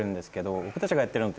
僕たちがやってるのって。